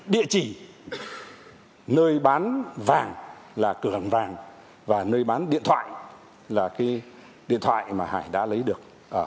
địa chỉ nơi bán vàng là cửa hàng vàng và nơi bán điện thoại là cái điện thoại mà hải đã lấy được